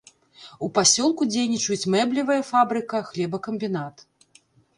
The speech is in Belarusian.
У пасёлку дзейнічаюць мэблевая фабрыка, хлебакамбінат.